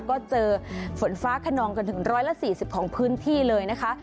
ก็เจอฝนฟ้าขนองกันถึง๑๔๐ของพื้นที่เลยนะคะ